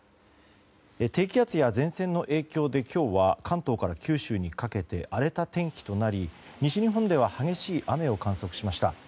低気圧や前線の影響で今日は関東から九州にかけて荒れた天気となり西日本では激しい雨を観測しました。